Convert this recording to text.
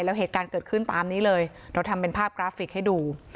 แล้วเหตุการณ์เกิดขึ้นตามนี้เลยเราทำเป็นภาพกราฟิกให้ดู